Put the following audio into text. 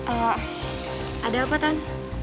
ada apa tan